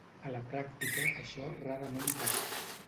A la pràctica, això rarament passa.